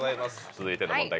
続いての問題